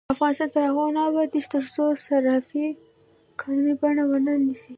افغانستان تر هغو نه ابادیږي، ترڅو صرافي قانوني بڼه ونه نیسي.